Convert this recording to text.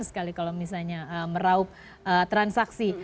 sekali kalau misalnya meraup transaksi